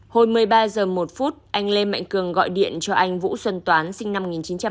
hồi một mươi ba giờ một phút anh lê mạnh cường gọi điện cho anh vũ xuân toán sinh năm một nghìn chín trăm bảy mươi chín